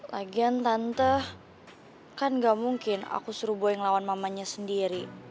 lagian tante kan gak mungkin aku suruh boy yang lawan mamanya sendiri